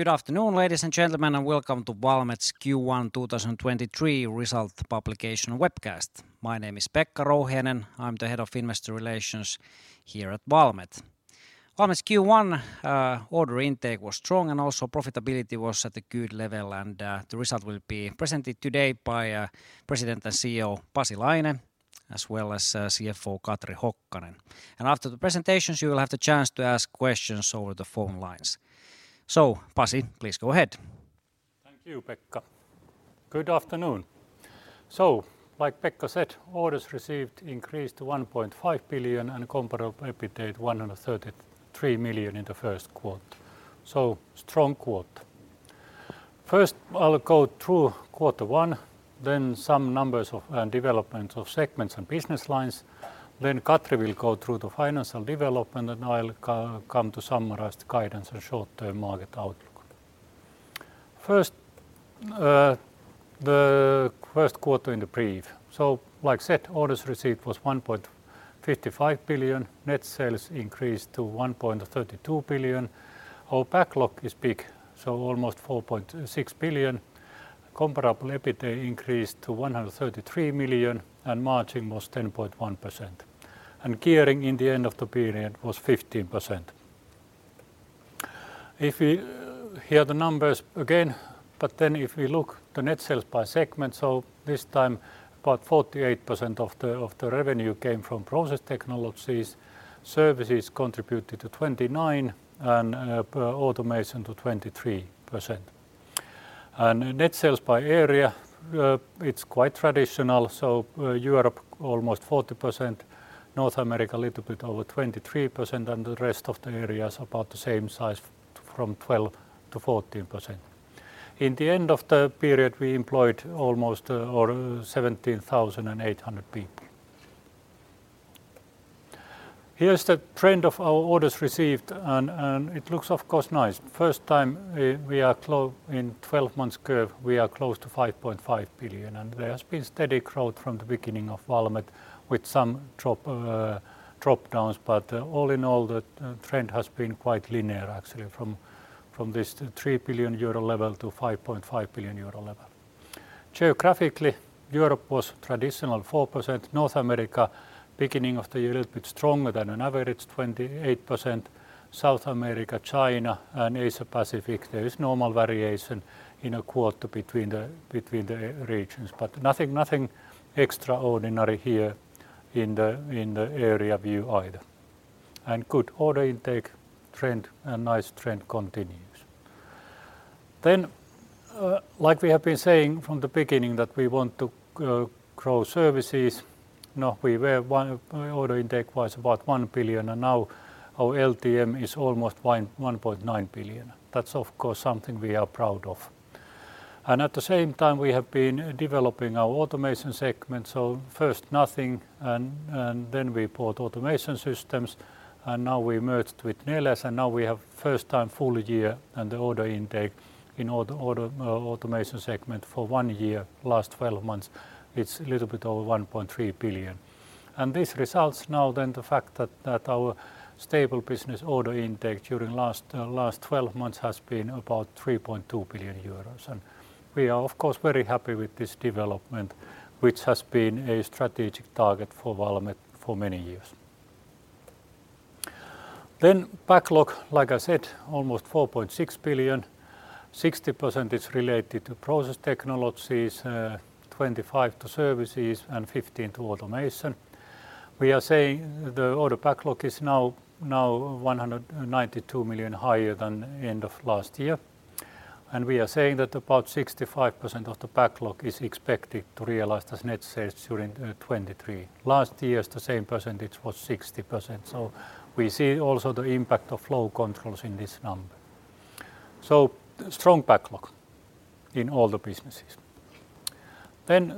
Good afternoon, ladies and gentlemen, welcome to Valmet's Q1 2023 result publication webcast. My name is Pekka Rouhiainen. I'm the Head of Investor Relations here at Valmet. Valmet's Q1 order intake was strong, also profitability was at a good level. The result will be presented today by President and CEO Pasi Laine, as well as CFO Katri Hokkanen. After the presentations, you will have the chance to ask questions over the phone lines. Pasi, please go ahead. Thank you, Pekka. Good afternoon. Like Pekka said, orders received increased to 1.5 billion and comparable EBITDA at EUR 133 million in the first quarter, strong quarter. First, I'll go through quarter one, then some numbers of and development of segments and business lines. Katri will go through the financial development, and I'll come to summarize the guidance and short-term market outlook. First, the first quarter in brief. Like I said, orders received was 1.55 billion. Net sales increased to 1.32 billion. Our backlog is big, almost 4.6 billion. Comparable EBITDA increased to 133 million, and margin was 10.1%. Gearing in the end of the period was 15%. If we hear the numbers again, if we look the net sales by segment, this time, about 48% of the revenue came from Process Technologies, Services contributed to 29%, and Automation to 23%. Net sales by area, it's quite traditional, Europe almost 40%, North America a little bit over 23%, and the rest of the areas about the same size from 12%-14%. In the end of the period, we employed almost 17,800 people. Here is the trend of our orders received, and it looks of course nice. First time, in 12 months curve, we are close to 5.5 billion, and there has been steady growth from the beginning of Valmet with some drop-downs. All in all, the trend has been quite linear actually from this 3 billion euro level to 5.5 billion euro level. Geographically, Europe was traditional 4%. North America, beginning of the year a little bit stronger than an average, 28%. South America, China, and Asia Pacific, there is normal variation in a quarter between the regions, but nothing extraordinary here in the area view either. Good order intake trend and nice trend continues. Like we have been saying from the beginning, that we want to grow services. Now, order intake was about 1 billion, and now our LTM is almost 1.9 billion. That's of course something we are proud of. At the same time, we have been developing our Automation segment. First nothing, then we bought Automation Systems, and now we merged with Neles, and now we have first time full year and the order intake in automation segment for one year. Last 12 months, it's a little bit over 1.3 billion. This results in the fact that our stable business order intake during last 12 months has been about 3.2 billion euros. We are of course very happy with this development, which has been a strategic target for Valmet for many years. Backlog, like I said, almost 4.6 billion. 60% is related to process technologies, 25 to services, and 15 to automation. We are saying the order backlog is 192 million higher than end of last year. We are saying that about 65% of the backlog is expected to realize as net sales during 2023. Last year's the same percentage was 60%. We see also the impact of Flow Control in this number. Strong backlog in all the businesses.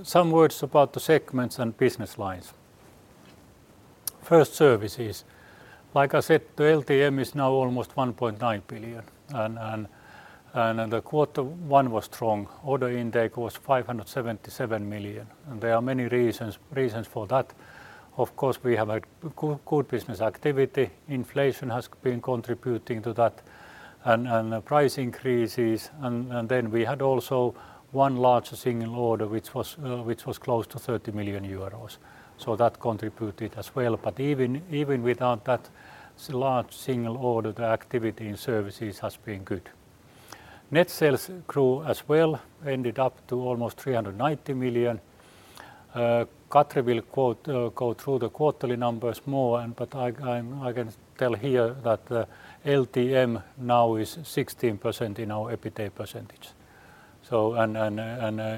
Some words about the segments and business lines. First, services. Like I said, the LTM is now almost 1.9 billion and the Q1 was strong. Order intake was 577 million. There are many reasons for that. Of course, we have a good business activity. Inflation has been contributing to that and price increases. We had also one large single order which was close to 30 million euros. That contributed as well. Even, even without that large single order, the activity in services has been good. Net sales grew as well, ended up to almost 390 million. Katri will go through the quarterly numbers more. I can tell here that the LTM now is 16% in our EBITDA percentage.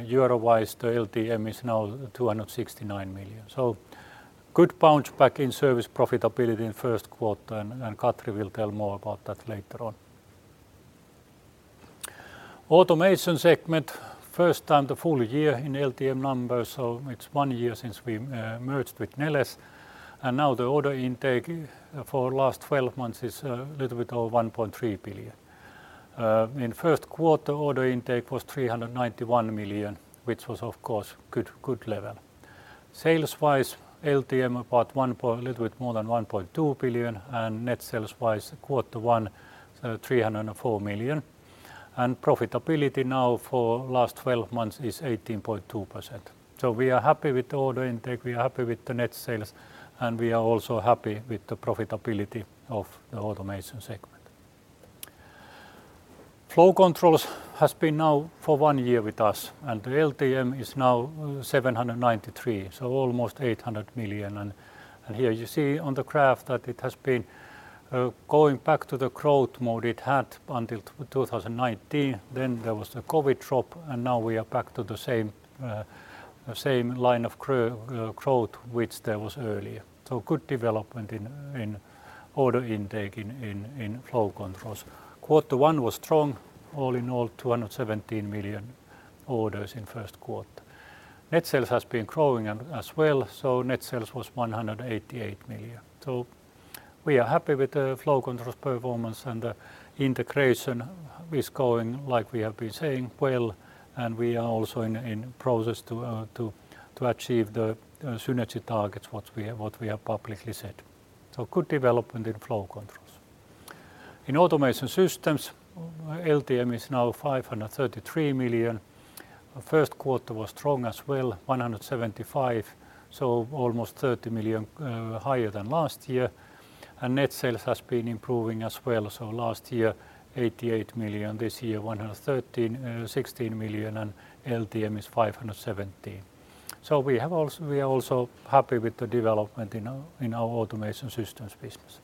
Euro-wise, the LTM is now 269 million. Good bounce back in service profitability in first quarter, and Katri will tell more about that later on. Automation segment, first time the full year in LTM numbers. It's one year since we merged with Neles. Now the order intake for last 12 months is a little bit over 1.3 billion. In first quarter, order intake was 391 million, which was of course good level. Sales wise, LTM about a little bit more than 1.2 billion. Net sales wise quarter one, so 304 million. Profitability now for last 12 months is 18.2%. We are happy with the order intake, we are happy with the net sales, and we are also happy with the profitability of the automation segment. Flow Control has been now for one year with us. The LTM is now 793 million, so almost 800 million. Here you see on the graph that it has been going back to the growth mode it had until 2019, then there was the COVID drop, and now we are back to the same same line of growth which there was earlier. Good development in order intake in Flow Controls. Q1 was strong, all in all EUR 217 million orders in Q1. Net sales has been growing as well, net sales was EUR 188 million. We are happy with the Flow Controls performance and integration is going like we have been saying, well, and we are also in process to achieve the synergy targets what we have, what we have publicly said. Good development in Flow Controls. In Automation Systems, LTM is now 533 million. First quarter was strong as well, 175 million, so almost 30 million higher than last year. Net sales has been improving as well, so last year 88 million, this year 116 million, and LTM is 517 million. We are also happy with the development in our Automation Systems business.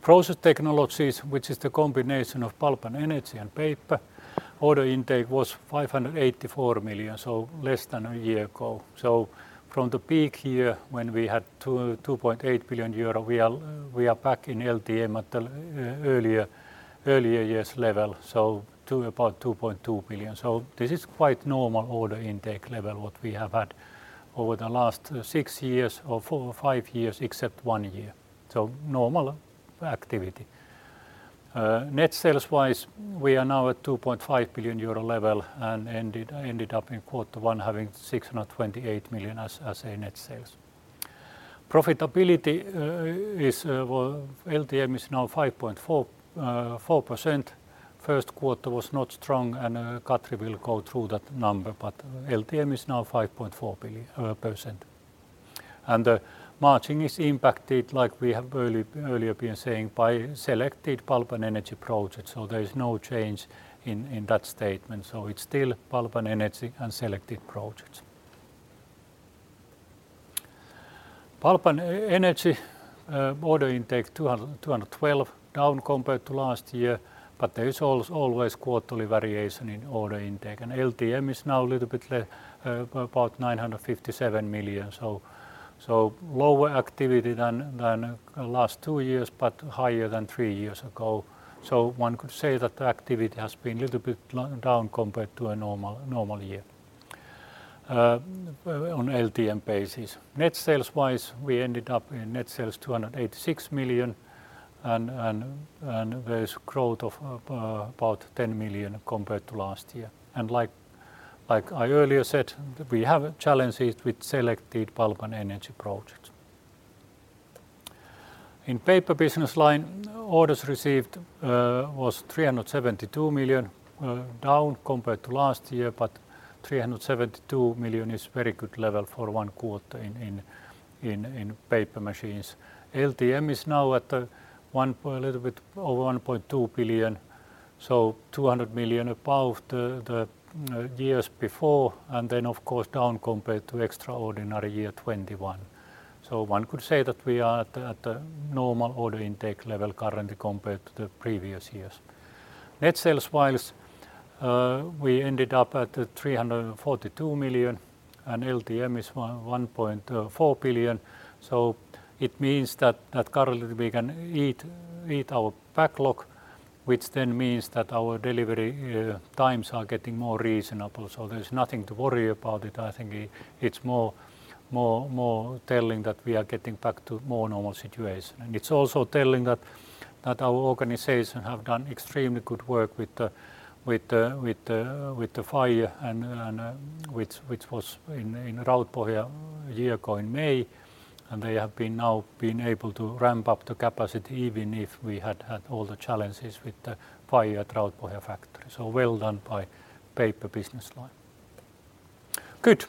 Process Technologies, which is the combination of pulp and energy and paper, order intake was 584 million, so less than a year ago. From the peak year when we had 2.8 billion euro, we are back in LTM at earlier years' level, so to about 2.2 billion. This is quite normal order intake level what we have had over the last six years or five years except one year. Normal activity. Net sales wise, we are now at 2.5 billion euro level and ended up in Q1 having 628 million as a net sales. Profitability, well LTM is now 5.4%. First quarter was not strong and Katri will go through that number, but LTM is now 5.4%. The margin is impacted like we have earlier been saying by selected pulp and energy projects, there is no change in that statement. It's still pulp and energy and selected projects. Pulp and Energy order intake 212 million, down compared to last year, but there is always quarterly variation in order intake. LTM is now about 957 million. Lower activity than last two years, but higher than three years ago. One could say that the activity has been little bit down compared to a normal year on LTM basis. Net sales wise, we ended up in net sales 286 million. There's growth of about 10 million compared to last year. Like I earlier said, we have challenges with selected Pulp and Energy projects. In paper business line, orders received was 372 million, down compared to last year. 372 million is very good level for one quarter in paper machines. LTM is now at little bit over 1.2 billion, so 200 million above the years before, of course down compared to extraordinary year 2021. One could say that we are at a normal order intake level currently compared to the previous years. Net sales wise, we ended up at 342 million. LTM is 1.4 billion. It means that currently we can eat our backlog, which means that our delivery times are getting more reasonable. There's nothing to worry about it. I think it's more telling that we are getting back to more normal situation. It's also telling that our organization have done extremely good work with the fire and which was in Rautpohja a year ago in May. They have been now been able to ramp up the capacity even if we had all the challenges with the fire at Rautpohja factory. Well done by paper business line. Good.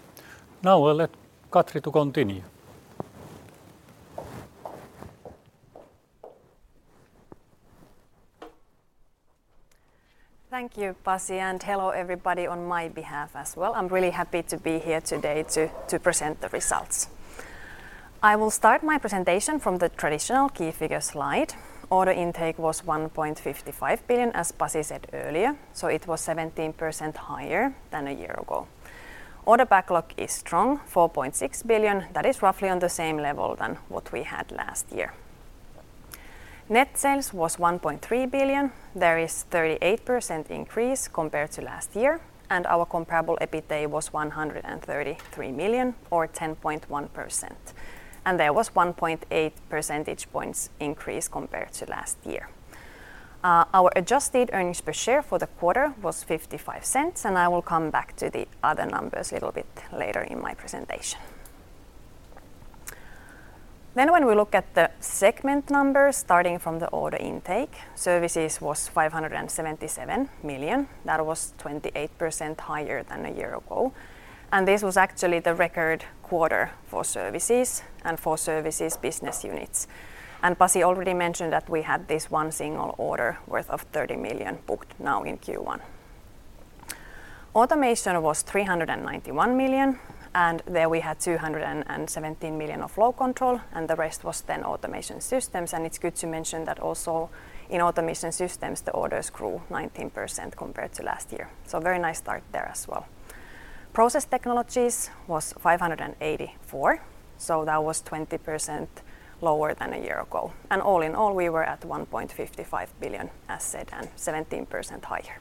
Now I'll let Katri to continue. Thank you, Pasi, and hello everybody on my behalf as well. I'm really happy to be here today to present the results. I will start my presentation from the traditional key figure slide. Order intake was 1.55 billion, as Pasi said earlier, so it was 17% higher than a year ago. Order backlog is strong, 4.6 billion. That is roughly on the same level than what we had last year. Net sales was 1.3 billion. There is 38% increase compared to last year. Our comparable EBITA was 133 million or 10.1%. There was 1.8 percentage points increase compared to last year. Our adjusted earnings per share for the quarter was 0.55. I will come back to the other numbers a little bit later in my presentation. When we look at the segment numbers starting from the order intake, services was 577 million. That was 28% higher than a year ago. This was actually the record quarter for services and for services business units. Pasi already mentioned that we had this one single order worth of 30 million booked now in Q1. Automation was 391 million, and there we had 217 million of Flow Control, and the rest was then Automation Systems. It's good to mention that also in Automation Systems, the orders grew 19% compared to last year. Very nice start there as well. Process Technologies was 584 million, that was 20% lower than a year ago. All in all, we were at 1.55 billion, as said, 17% higher.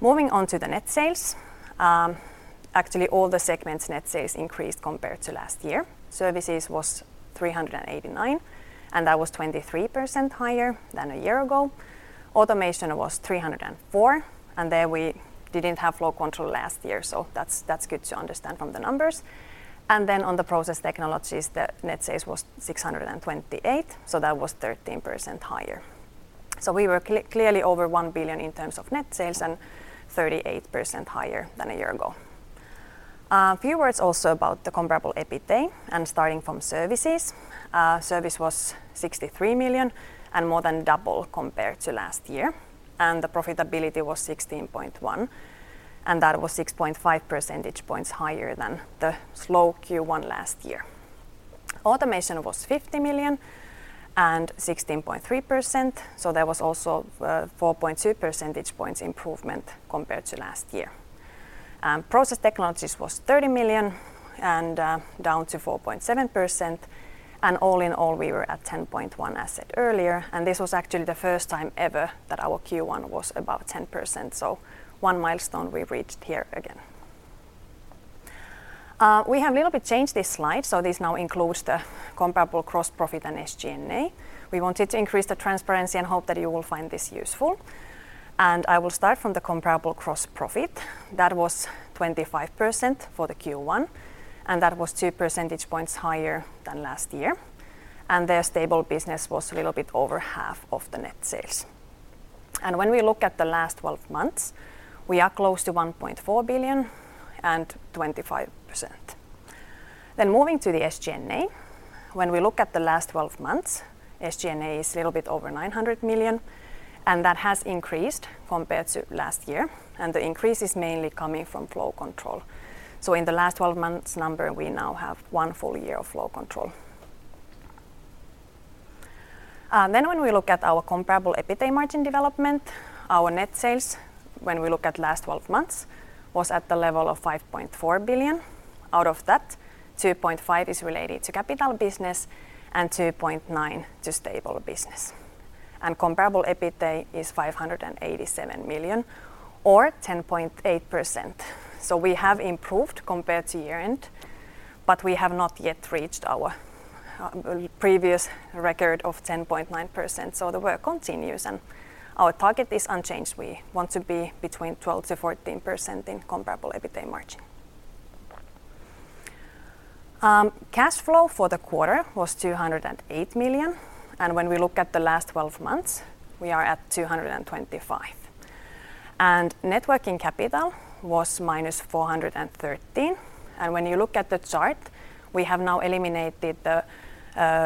Moving on to the net sales. Actually, all the segments net sales increased compared to last year. Services was 389, and that was 23% higher than a year ago. Automation was 304, and there we didn't have Flow Control last year, so that's good to understand from the numbers. On the process technologies, the net sales was 628, so that was 13% higher. So we were clearly over 1 billion in terms of net sales and 38% higher than a year ago. A few words also about the comparable EBITDA and starting from services. Service was 63 million and more than double compared to last year, and the profitability was 16.1, and that was 6.5 percentage points higher than the slow Q1 last year. Automation was 50 million and 16.3%, so there was also 4.2 percentage points improvement compared to last year. Process Technologies was 30 million and down to 4.7%. All in all, we were at 10.1, as said earlier, and this was actually the first time ever that our Q1 was above 10%. One milestone we've reached here again. We have a little bit changed this slide, so this now includes the comparable gross profit and SG&A. We wanted to increase the transparency and hope that you will find this useful. I will start from the comparable gross profit. That was 25% for the Q1, and that was 2 percentage points higher than last year. There stable business was a little bit over half of the net sales. When we look at the last twelve months, we are close to 1.4 billion and 25%. Moving to the SG&A, when we look at the last twelve months, SG&A is a little bit over 900 million, and that has increased compared to last year, and the increase is mainly coming from Flow Control. In the last twelve months number, we now have one full year of Flow Control. When we look at our comparable EBITDA margin development, our net sales, when we look at last twelve months, was at the level of 5.4 billion. Out of that, 2.5 is related to capital business and 2.9 to stable business. Comparable EBITDA is 587 million or 10.8%. We have improved compared to year-end, but we have not yet reached our previous record of 10.9%. The work continues, and our target is unchanged. We want to be between 12%–14% in comparable EBITDA margin. Cash flow for the quarter was 208 million, and when we look at the last twelve months, we are at 225 million. Net working capital was minus 413 million. When you look at the chart, we have now eliminated the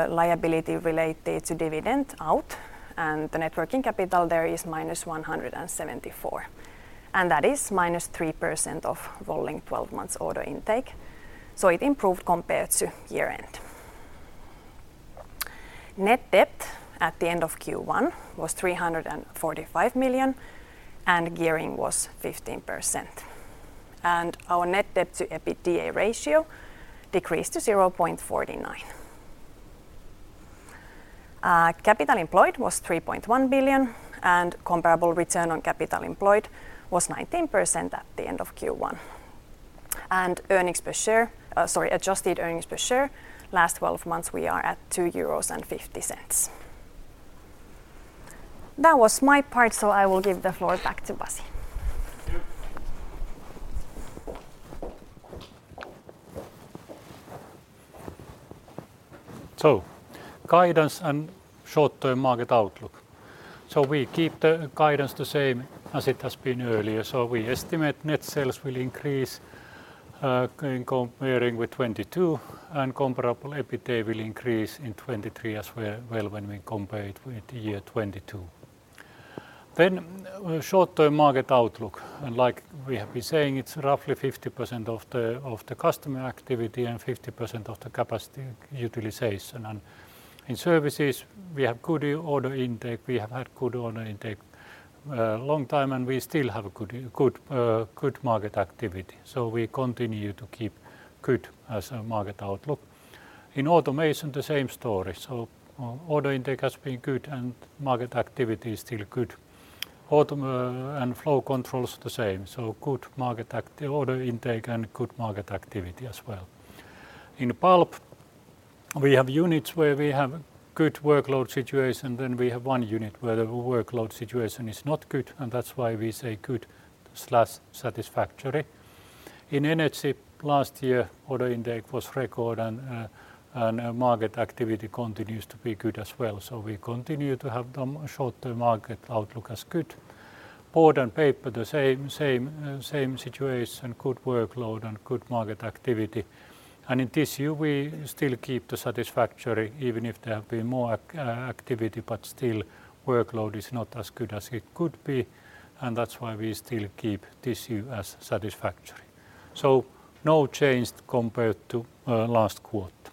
liability related to dividend out, and the net working capital there is minus 174 million, and that is minus 3% of rolling twelve months order intake. It improved compared to year-end. Net debt at the end of Q1 was 345 million, and gearing was 15%. Our net debt to EBITDA ratio decreased to 0.49. Capital employed was 3.1 billion, and comparable return on capital employed was 19% at the end of Q1. Sorry, adjusted earnings per share, last 12 months we are at 2.50 euros. That was my part, I will give the floor back to Pasi. Thank you. Guidance and short-term market outlook. We keep the guidance the same as it has been earlier. We estimate net sales will increase in comparing with 2022, and comparable EBITDA will increase in 2023 as well, when we compare it with year 2022. Short-term market outlook, like we have been saying, it's roughly 50% of the customer activity and 50% of the capacity utilization. In services, we have good order intake. We have had good order intake a long time, and we still have a good market activity. We continue to keep good as a market outlook. In Automation, the same story. Order intake has been good and market activity is still good. Flow Control's the same, good market order intake and good market activity as well. In pulp. We have units where we have good workload situation. We have one unit where the workload situation is not good, that's why we say good/satisfactory. In energy last year, order intake was record, and market activity continues to be good as well. We continue to have the short-term market outlook as good. Board and paper, the same situation, good workload and good market activity. In this year we still keep the satisfactory even if there have been more activity but still workload is not as good as it could be, and that's why we still keep this year as satisfactory. No change compared to last quarter.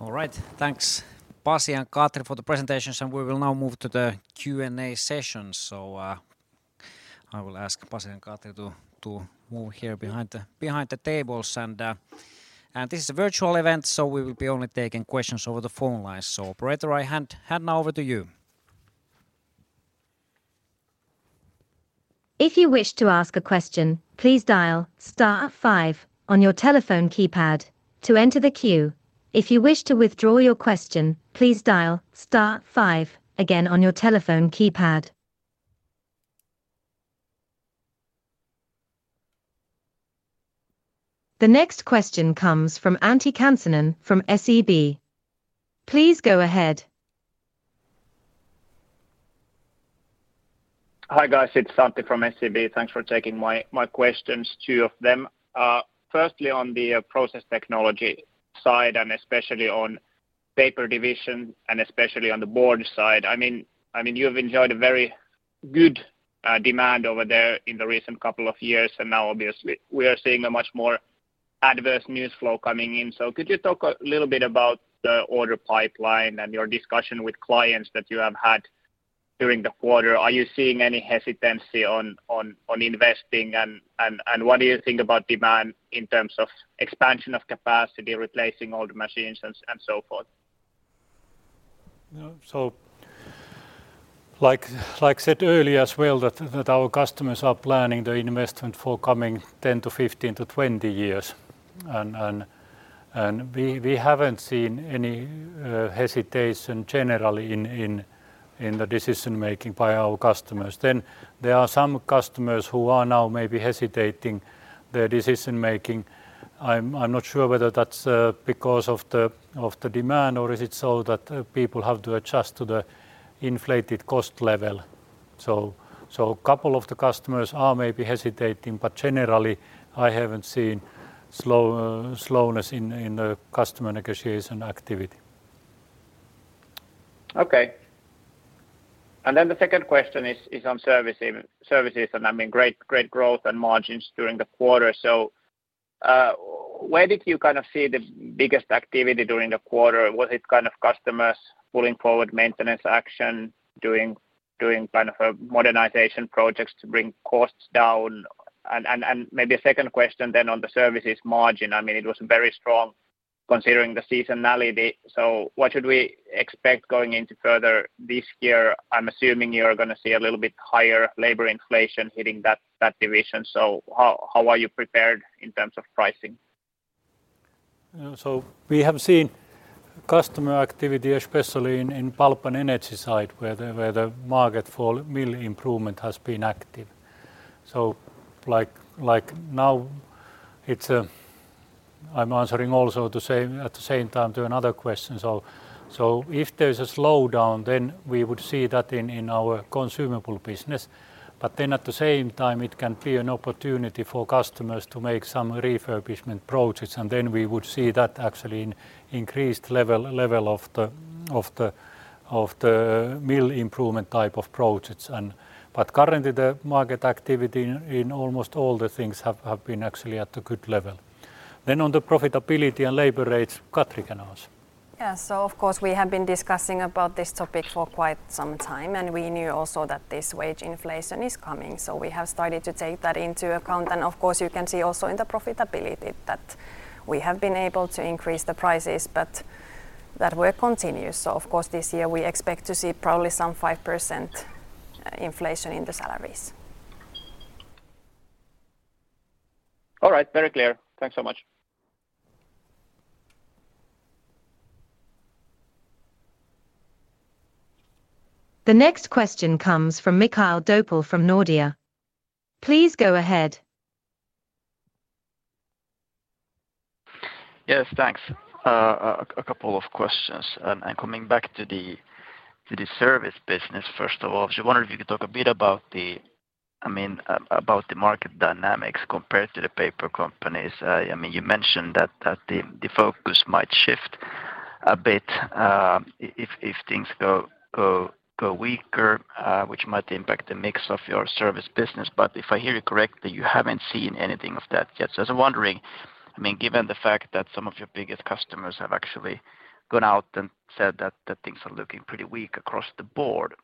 All right. Thanks Pasi and Katri for the presentations. We will now move to the Q&A session. I will ask Pasi and Katri to move here behind the tables. This is a virtual event, we will be only taking questions over the phone line. Operator, I hand now over to you. If you wish to ask a question, please dial star five on your telephone keypad to enter the queue. If you wish to withdraw your question, please dial star five again on your telephone keypad. The next question comes from Antti Kansanen from SEB. Please go ahead. Hi guys, it's Antti from SEB. Thanks for taking my questions, two of them. Firstly on the process technology side and especially on paper division and especially on the board side, I mean you have enjoyed a very good demand over there in the recent couple of years, and now obviously we are seeing a much more adverse news flow coming in. Could you talk a little bit about the order pipeline and your discussion with clients that you have had during the quarter? Are you seeing any hesitancy on investing? What do you think about demand in terms of expansion of capacity, replacing old machines and so forth? No. Like I said earlier as well that our customers are planning the investment for coming 10 to 15 to 20 years. We haven't seen any hesitation generally in the decision-making by our customers. There are some customers who are now maybe hesitating their decision-making. I'm not sure whether that's because of the demand or is it so that people have to adjust to the inflated cost level. Couple of the customers are maybe hesitating, but generally I haven't seen slowness in the customer negotiation activity. Okay. The second question is on services, and I mean, great growth and margins during the quarter. Where did you kind of see the biggest activity during the quarter? Was it kind of customers pulling forward maintenance action, doing kind of a modernization projects to bring costs down? Maybe a second question then on the services margin. I mean, it was very strong considering the seasonality. What should we expect going into further this year? I'm assuming you're gonna see a little bit higher labor inflation hitting that division. How are you prepared in terms of pricing? We have seen customer activity especially in pulp and energy side where the market for mill improvement has been active. Like, now it's. I'm answering also at the same time to another question. If there's a slowdown then we would see that in our consumable business. At the same time it can be an opportunity for customers to make some refurbishment projects, and then we would see that actually in increased level of the mill improvement type of projects. Currently the market activity in almost all the things have been actually at a good level. On the profitability and labor rates, Katri can answer. Yeah. Of course we have been discussing about this topic for quite some time, and we knew also that this wage inflation is coming, so we have started to take that into account. Of course you can see also in the profitability that we have been able to increase the prices but that work continues. Of course this year we expect to see probably some 5% inflation in the salaries. All right. Very clear. Thanks so much. The next question comes from Mikael Doepel from Nordea. Please go ahead. Yes, thanks. A couple of questions. Coming back to the service business first of all, just wonder if you could talk a bit, I mean, about the market dynamics compared to the paper companies. I mean, you mentioned that the focus might shift a bit if things go weaker, which might impact the mix of your service business. If I hear you correctly, you haven't seen anything of that yet. I was wondering, I mean, given the fact that some of your biggest customers have actually gone out and said that things are looking pretty weak across the board,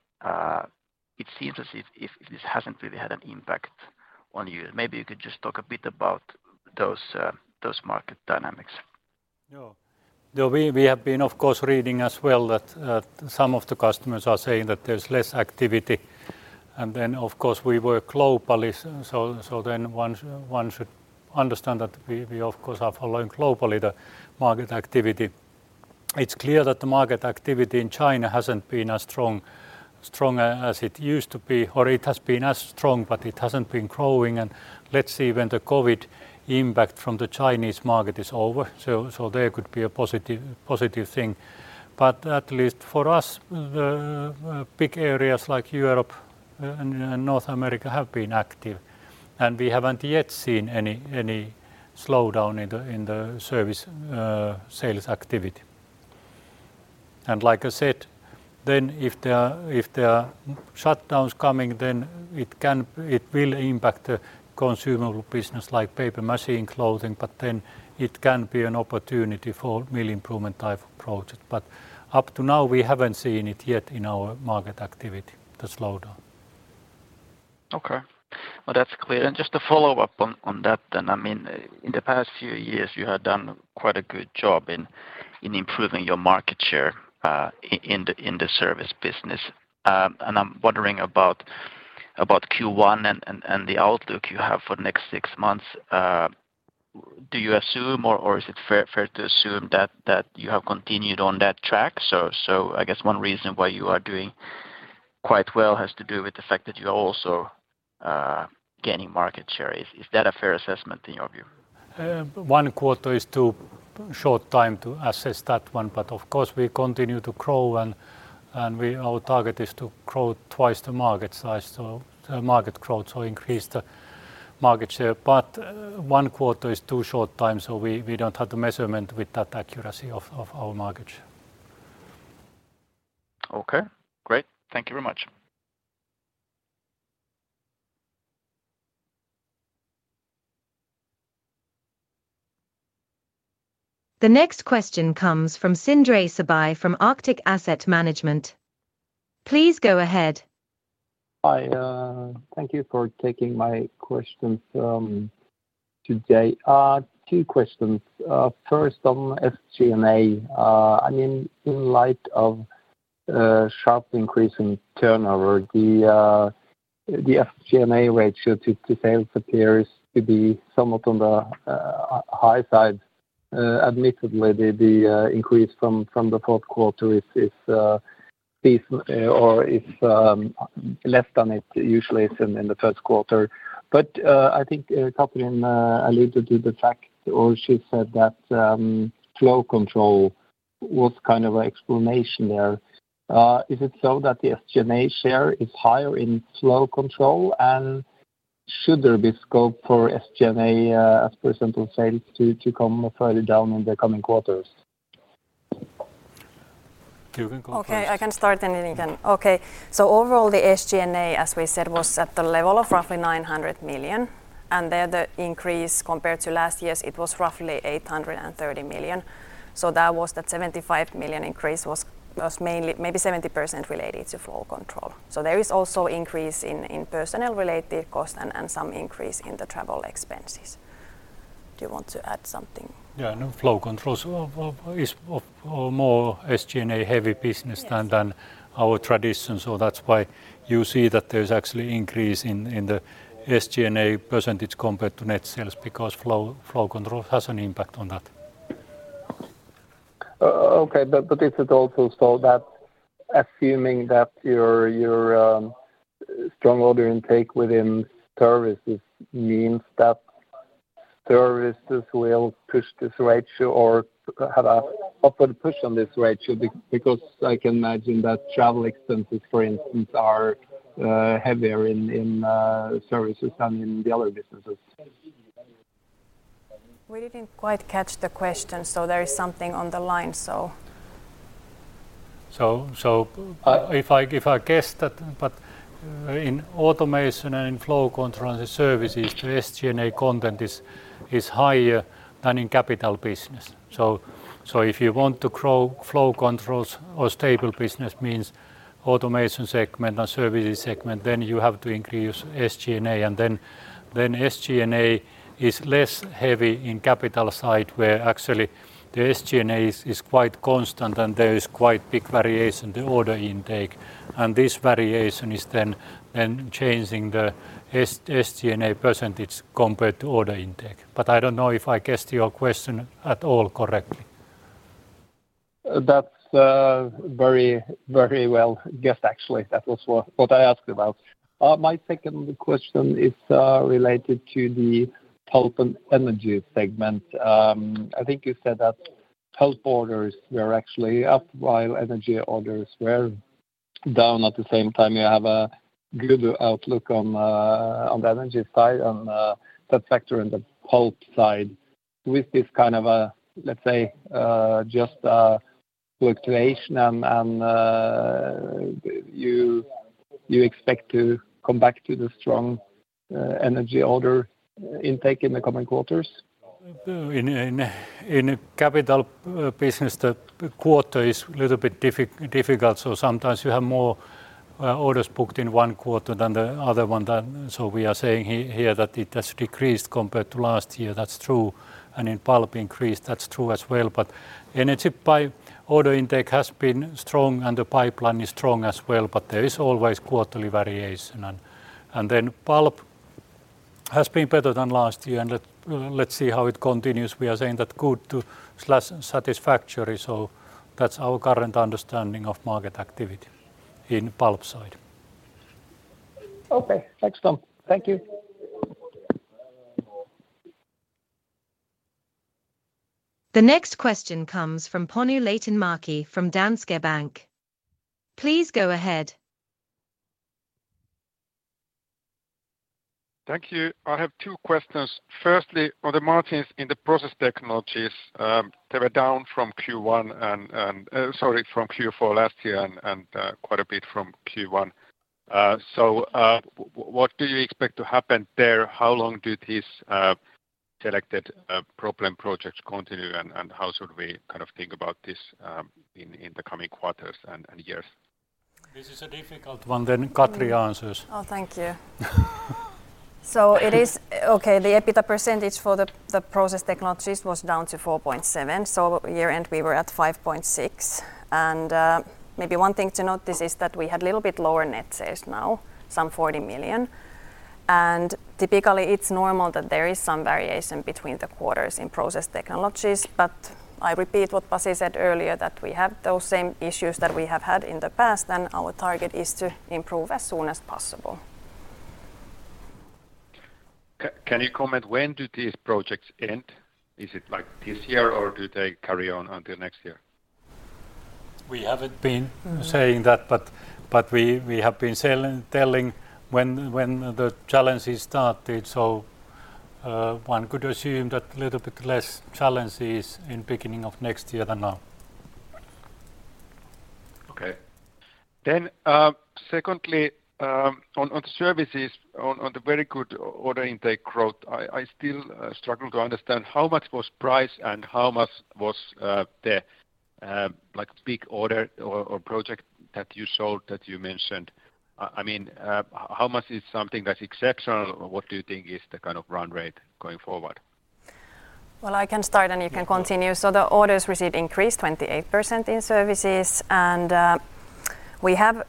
it seems as if this hasn't really had an impact on you. Maybe you could just talk a bit about those market dynamics. Though we have been, of course, reading as well that some of the customers are saying that there's less activity. Of course, we work globally so then one should understand that we of course are following globally the market activity. It's clear that the market activity in China hasn't been as strong as it used to be, or it has been as strong but it hasn't been growing and let's see when the COVID impact from the Chinese market is over. There could be a positive thing. At least for us, the big areas like Europe and North America have been active, and we haven't yet seen any slowdown in the service sales activity. Like I said, then if there are shut downs coming, then it will impact the consumable business like paper machine clothing, it can be an opportunity for mill improvement type of project. Up to now, we haven't seen it yet in our market activity, the slowdown. Okay. Well, that's clear. Just to follow up on that, I mean, in the past few years you have done quite a good job in improving your market share in the service business. I'm wondering about Q1 and the outlook you have for the next six months. Do you assume or is it fair to assume that you have continued on that track? I guess one reason why you are doing quite well has to do with the fact that you are also gaining market share. Is that a fair assessment in your view? One quarter is too short time to assess that one, but of course we continue to grow and our target is to grow twice the market size so, market growth or increase the market share. One quarter is too short time, so we don't have the measurement with that accuracy of our market share. Okay. Great. Thank you very much. The next question comes from Sindre Sørbye from Arctic Asset Management. Please go ahead. Hi, thank you for taking my questions today. Two questions. First on SG&A. I mean, in light of a sharp increase in turnover, the SG&A ratio to sales appears to be somewhat on the high side. Admittedly the increase from the fourth quarter is decent or is less than it usually is in the first quarter. I think Katri alluded to the fact or she said that Flow Control was kind of an explanation there. Is it so that the SG&A share is higher in Flow Control, and should there be scope for SG&A % of sales to come further down in the coming quarters? You can go first. Okay, I can start and then Okay. Overall, the SG&A, as we said, was at the level of roughly 900 million, and there the increase compared to last year's it was roughly 830 million. That was that 75 million increase was mainly maybe 70% related to Flow Control. There is also increase in personnel-related cost and some increase in the travel expenses. Do you want to add something? Yeah. Flow Control is of more SG&A heavy business- Yes.... than our tradition, that's why you see that there's actually increase in the SG&A % compared to net sales because Flow Control has an impact on that. Okay. Is it also so that assuming that your strong order intake within services means that services will push this ratio or have a upward push on this ratio because I can imagine that travel expenses, for instance, are heavier in services than in the other businesses. We didn't quite catch the question, so there is something on the line, so... So, if I guess that, in automation and in flow control and the services, the SG&A content is higher than in capital business. If you want to grow flow controls or stable business means automation segment or services segment, you have to increase SG&A and SG&A is less heavy in capital side where actually the SG&A is quite constant and there is quite big variation the order intake. This variation is changing the SG&A % compared to order intake. I don't know if I guessed your question at all correctly. That's very, very well guessed actually. That was what I asked about. My second question is related to the Pulp and Energy segment. I think you said that pulp orders were actually up while energy orders were down at the same time. You have a good outlook on the Energy side and that factor in the Pulp side. With this kind of a, let's say, just a fluctuation and you expect to come back to the strong energy order intake in the coming quarters? In capital business the quarter is little bit difficult. Sometimes you have more orders booked in one quarter than the other one. We are saying here that it has decreased compared to last year. That's true. In pulp increased, that's true as well. Energy pipe order intake has been strong and the pipeline is strong as well, but there is always quarterly variation. Then Pulp has been better than last year, and let's see how it continues. We are saying that good to slash satisfactory. That's our current understanding of market activity in Pulp side. Okay. Thanks. Thank you. The next question comes from Panu Laitinmäki from Danske Bank. Please go ahead. Thank you. I have two questions. Firstly, on the margins in the process technologies, they were down from Q4 last year and quite a bit from Q1. So, what do you expect to happen there? How long do these selected problem projects continue and how should we kind of think about this in the coming quarters and years? This is a difficult one. Katri answers. Oh, thank you. Okay, the EBITDA % for the process technologies was down to 4.7. Year-end we were at 5.6. Maybe one thing to note is that we had a little bit lower net sales now, some 40 million, and typically it's normal that there is some variation between the quarters in process technologies. I repeat what Pasi said earlier, that we have those same issues that we have had in the past, and our target is to improve as soon as possible. Can you comment when do these projects end? Is it, like, this year or do they carry on until next year? We haven't been- Mm.... saying that, but we have been telling when the challenges started, one could assume that little bit less challenges in beginning of next year than now. Secondly, on services on the very good order intake growth, I still struggle to understand how much was price and how much was the, like, big order or project that you sold, that you mentioned. I mean, how much is something that's exceptional? What do you think is the kind of run rate going forward? I can start and you can continue. The orders received increased 28% in services, we have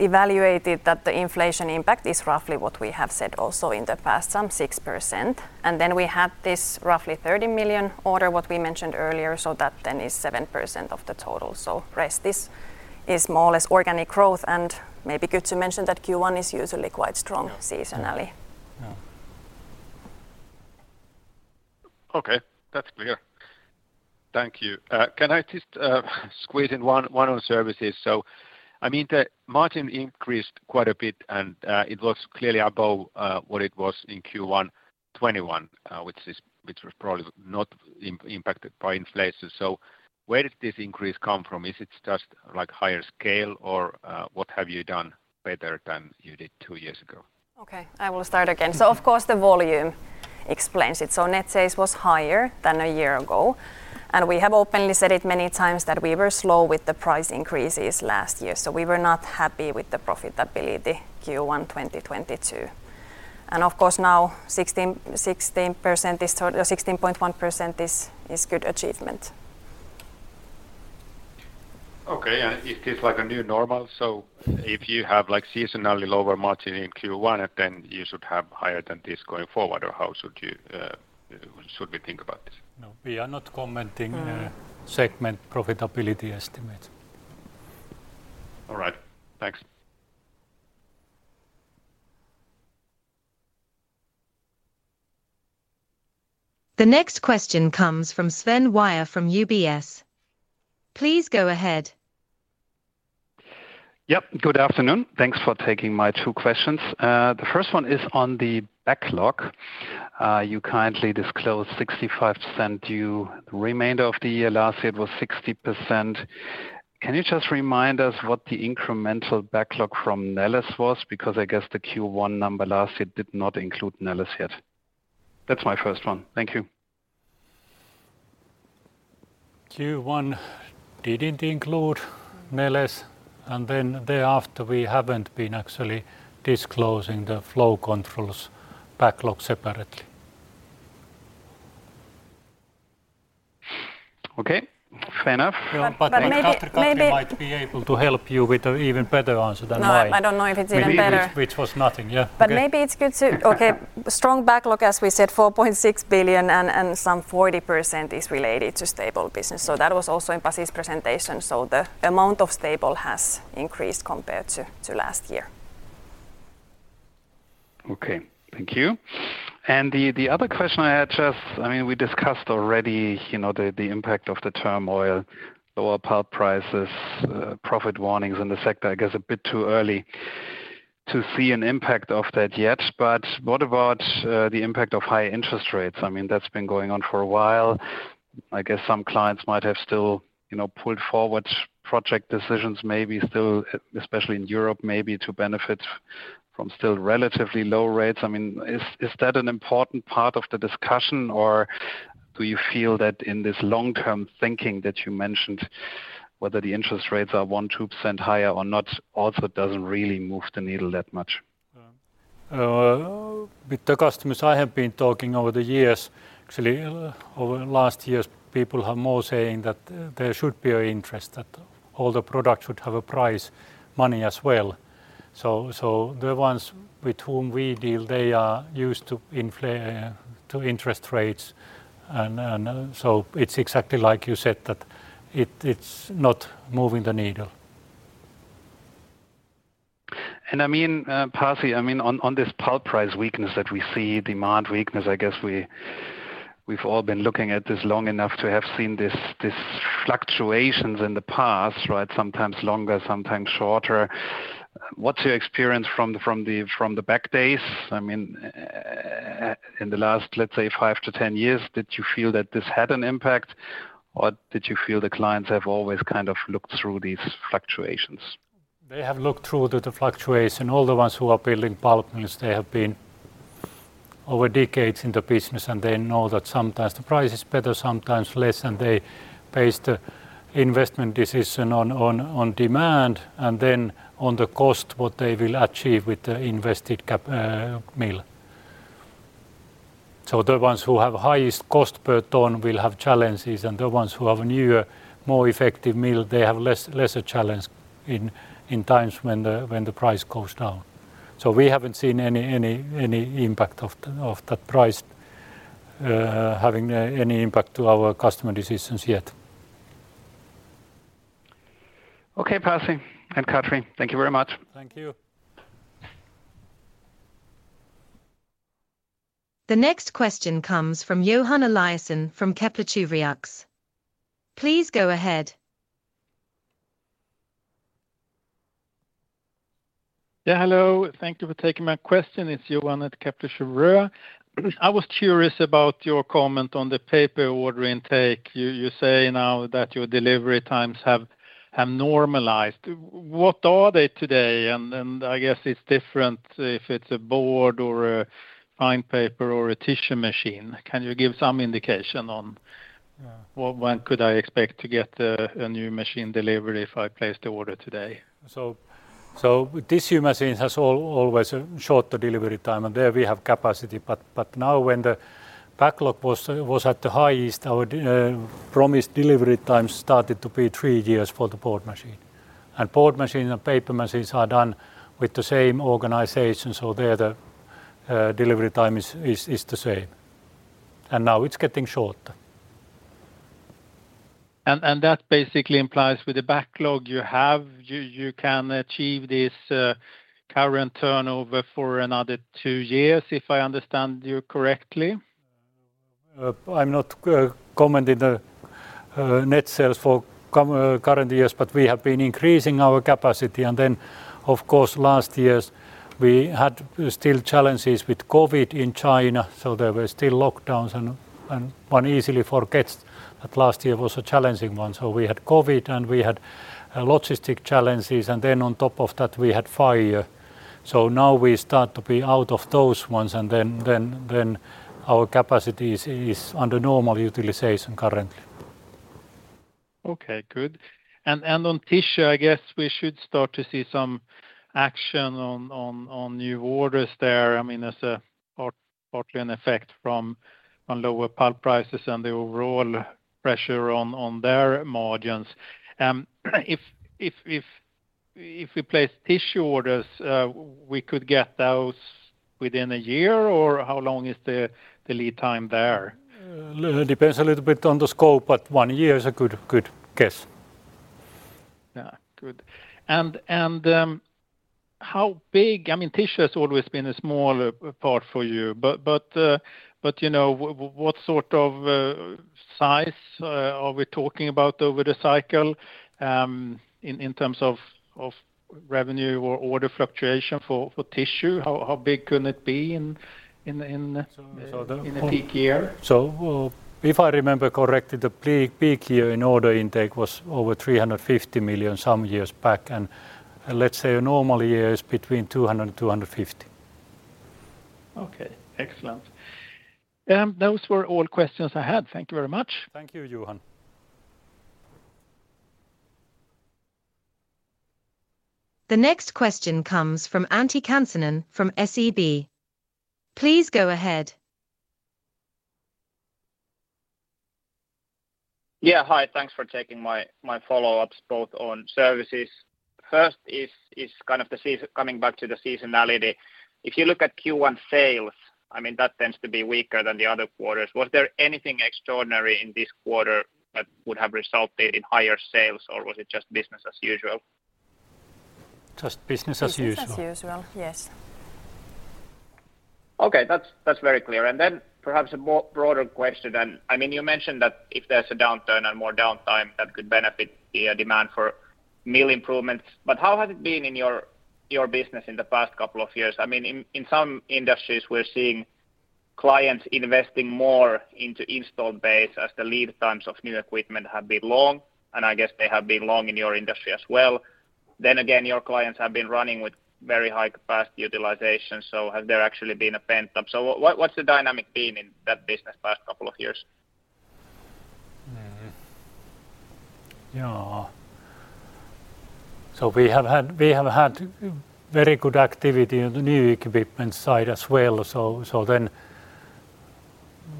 evaluated that the inflation impact is roughly what we have said also in the past, some 6%. We have this roughly 30 million order, what we mentioned earlier, that then is 7% of the total. Rest this is more or less organic growth, maybe good to mention that Q1 is usually quite strong seasonally. Yeah. Okay. That's clear. Thank you. Can I just squeeze in one on services? I mean the margin increased quite a bit, and it was clearly above what it was in Q1 2021, which was probably not impacted by inflation. Where did this increase come from? Is it just, like, higher scale or what have you done better than you did two years ago? Okay, I will start again. Of course the volume explains it. Net sales was higher than a year ago, we have openly said it many times that we were slow with the price increases last year, we were not happy with the profitability Q1 2022. Of course now 16% is, or 16.1% is good achievement. Okay. Is this, like, a new normal? If you have, like, seasonally lower margin in Q1, then you should have higher than this going forward, or how should you, should we think about this? No. We are not commenting. Mm.... segment profitability estimates. All right. Thanks. The next question comes from Sven Weier from UBS. Please go ahead. Yep. Good afternoon. Thanks for taking my two questions. The first one is on the backlog. You currently disclose 65% due the remainder of the year. Last year it was 60%. Can you just remind us what the incremental backlog from Neles was? I guess the Q1 number last year did not include Neles yet. That's my first one. Thank you. Q1 didn't include Neles, thereafter we haven't been actually disclosing the Flow Control backlog separately. Okay. Fair enough. Maybe- I think Katri might be able to help you with an even better answer than mine. No, I don't know if it's even better. Maybe which was nothing, yeah. Okay. Maybe it's good to. Okay. Strong backlog, as we said, 4.6 billion and some 40% is related to stable business. That was also in Pasi's presentation. The amount of stable has increased compared to last year. Okay. Thank you. The other question I had. I mean, we discussed already, you know, the impact of the turmoil, lower pulp prices, profit warnings in the sector. I guess a bit too early to see an impact of that yet. What about the impact of high interest rates? I mean, that's been going on for a while. I guess some clients might have still, you know, pulled forward project decisions maybe still, especially in Europe, maybe to benefit from still relatively low rates. I mean, is that an important part of the discussion or do you feel that in this long-term thinking that you mentioned, whether the interest rates are 1, 2% higher or not also doesn't really move the needle that much? With the customers I have been talking over the years, actually over the last years, people are more saying that there should be a interest, that all the products should have a price, money as well. The ones with whom we deal, they are used to interest rates and so it's exactly like you said that it's not moving the needle. I mean, Pasi, I mean on this pulp price weakness that we see, demand weakness, I guess we've all been looking at this long enough to have seen this, these fluctuations in the past, right? Sometimes longer, sometimes shorter. What's your experience from the back days? I mean, in the last, let's say, five to 10 years, did you feel that this had an impact or did you feel the clients have always kind of looked through these fluctuations? They have looked through the fluctuation. All the ones who are building pulp mills, they have been over decades in the business and they know that sometimes the price is better, sometimes less, and they base the investment decision on demand and then on the cost what they will achieve with the invested mill. The ones who have highest cost per ton will have challenges and the ones who have newer, more effective mill, they have lesser challenge in times when the price goes down. We haven't seen any impact of that price having any impact to our customer decisions yet. Okay, Pasi and Katri, thank you very much. Thank you. The next question comes from Johan Eliason from Kepler Cheuvreux. Please go ahead. Yeah, hello. Thank you for taking my question. It's Johan at Kepler Cheuvreux. I was curious about your comment on the paper order intake. You say now that your delivery times have normalized. What are they today? I guess it's different if it's a board or a fine paper or a tissue machine. Can you give some indication on- Yeah. when could I expect to get a new machine delivered if I place the order today? Tissue machines has always a shorter delivery time and there we have capacity, but now when the backlog was at the highest, our promised delivery time started to be three years for the board machine. Board machine and paper machines are done with the same organization, so there the delivery time is the same. Now it's getting shorter. That basically implies with the backlog you have, you can achieve this, current turnover for another two years, if I understand you correctly? I'm not commenting the net sales for current years, but we have been increasing our capacity. Of course last years we had still challenges with COVID in China, there were still lockdowns and one easily forgets that last year was a challenging one. We had COVID and we had logistic challenges and then on top of that we had fire. Now we start to be out of those ones and then our capacity is under normal utilization currently. Okay, good. On tissue I guess we should start to see some action on new orders there. I mean, there's a partly an effect from, on lower pulp prices and the overall pressure on their margins. If we place tissue orders, we could get those within a year or how long is the lead time there? Depends a little bit on the scope, but one year is a good guess. Yeah. Good. And how big-- I mean, tissue has always been a small part for you but, but, you know, what sort of size are we talking about over the cycle, in terms of revenue or order fluctuation for tissue? How big can it be in the, in- So the- in a peak year? If I remember correctly, the peak year in order intake was over 350 million some years back, and let's say a normal year is between 200 million and 250 million. Okay. Excellent. Those were all questions I had. Thank you very much. Thank you, Johan. The next question comes from Antti Kansanen from SEB. Please go ahead. Yeah. Hi. Thanks for taking my follow-ups both on services. First is kind of coming back to the seasonality. If you look at Q1 sales, I mean, that tends to be weaker than the other quarters. Was there anything extraordinary in this quarter that would have resulted in higher sales or was it just business as usual? Just business as usual. Business as usual, yes. Okay. That's, that's very clear. Perhaps a more broader question then. You mentioned that if there's a downturn and more downtime that could benefit the demand for Mill improvements. How has it been in your business in the past couple of years? In some industries, we're seeing clients investing more into installed base as the lead times of new equipment have been long, and I guess they have been long in your industry as well. Your clients have been running with very high capacity utilization, so has there actually been a pent up? What's the dynamic been in that business the past couple of years? Yeah. We have had very good activity on the new equipment side as well.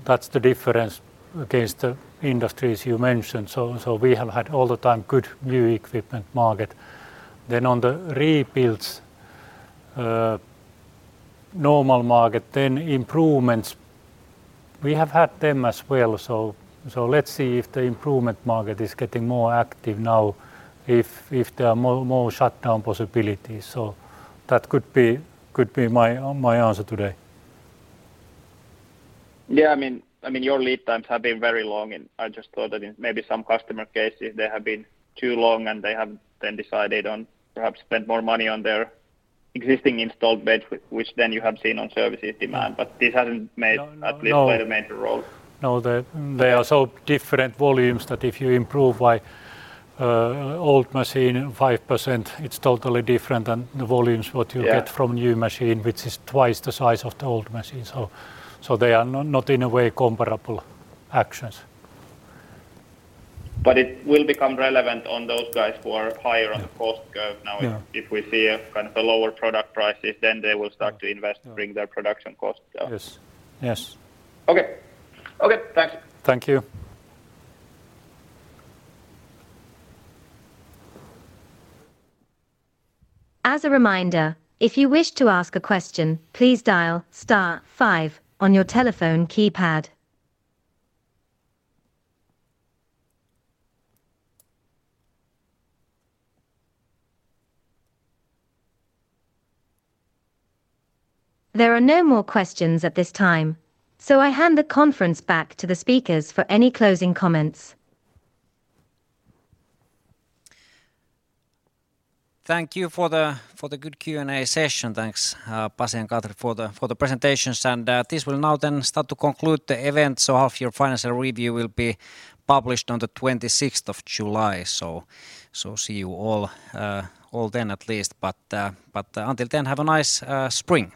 That's the difference against the industries you mentioned. We have had all the time good new equipment market. On the rebuilds, normal market, then improvements we have had them as well. Let's see if the improvement market is getting more active now if there are more shutdown possibilities. That could be my answer today. Yeah, I mean, your lead times have been very long and I just thought that in maybe some customer cases they have been too long and they have then decided on perhaps spend more money on their existing installed base which then you have seen on services demand. This hasn't made- No, no.... at least played a major role. No. They are so different volumes that if you improve by old machine 5%, it's totally different than the volumes what you get... Yeah. from new machine, which is twice the size of the old machine. They are not in a way comparable actions. It will become relevant on those guys who are higher on the cost curve now. Yeah. If we see a kind of a lower product prices, then they will start to invest to bring their production costs down. Yes. Yes. Okay. Okay. Thank you. Thank you. As a reminder, if you wish to ask a question, please dial star five on your telephone keypad. There are no more questions at this time. I hand the conference back to the speakers for any closing comments. Thank you for the good Q&A session. Thanks, Pasi and Katri for the presentations. This will now then start to conclude the event, so half your financial review will be published on the 26th of July. See you all then at least. Until then, have a nice spring.